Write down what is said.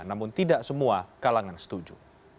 namun tidak semua kalangan setuju